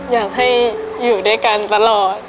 อยากให้อยู่ด้วยกันตลอด